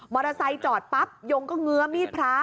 มอเตอร์ไซค์จอดปั๊บยงก็เงื้อมีดพระ